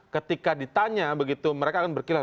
ketika ditanya mereka akan berkira